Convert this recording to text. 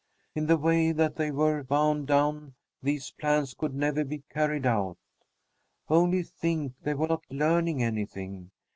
In the way that they were bound down, these plans could never be carried out. Only think, they were not learning anything!